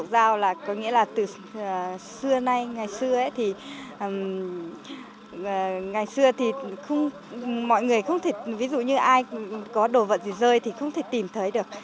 tại sao là có nghĩa là từ xưa nay ngày xưa thì mọi người không thể ví dụ như ai có đồ vận gì rơi thì không thể tìm thấy được